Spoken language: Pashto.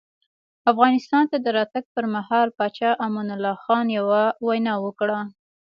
افغانستان ته د راتګ پر مهال پاچا امان الله خان یوه وینا وکړه.